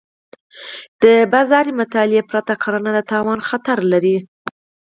د بازار مطالعې پرته کرنه د تاوان خطر لري.